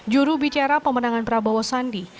juru bicara pemenangan prabowo sandi